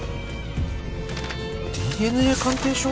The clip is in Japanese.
ＤＮＡ鑑定書？